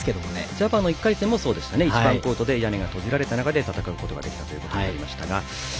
ジャバーの１回戦も１番コート屋根が閉じられた中で戦うことができたということになりました。